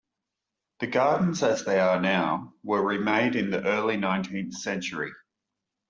The gardens as they are now were remade in the early nineteenth century.